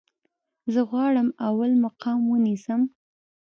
زه غواړم اول مقام ونیسم